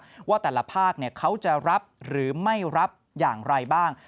ว่าแต่ละภาคเขาจะรับหรือไม่รับอย่างไรบ้าง